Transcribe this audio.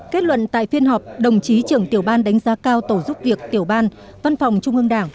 kết luận tại phiên họp đồng chí trường tiểu ban đánh giá cao tổ chức việc tiểu ban văn phòng trung mương đảng